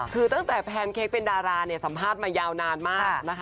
คือตั้งแต่แพนเค้กเป็นดาราเนี่ยสัมภาษณ์มายาวนานมากนะคะ